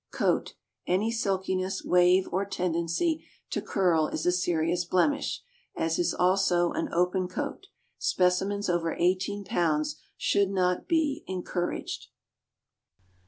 Coat: Any silkiness, wave, or tendency to curl is a serious blemish, as is also an open coat. Specimens over eighteen pounds should not be encouraged.